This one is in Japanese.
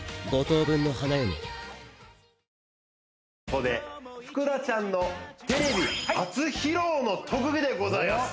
ここで福田ちゃんのテレビ初披露の特技でございます